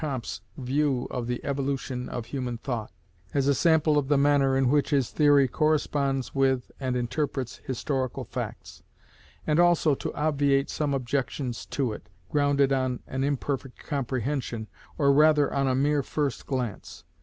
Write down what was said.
Comte's view of the evolution of human thought, as a sample of the manner in which his theory corresponds with and interprets historical facts, and also to obviate some objections to it, grounded on an imperfect comprehension, or rather on a mere first glance.